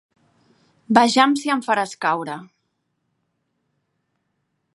Vejam si em faràs caure!